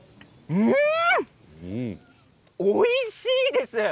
うーん、おいしいです。